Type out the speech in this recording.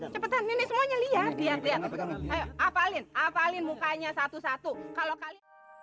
cepetan ini semuanya lihat dia lihat apalin apalin mukanya satu satu kalau kali